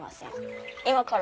今から。